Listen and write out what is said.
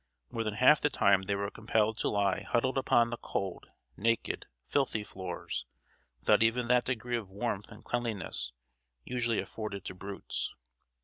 More than half the time they were compelled to lie huddled upon the cold, naked, filthy floors, without even that degree of warmth and cleanliness usually afforded to brutes.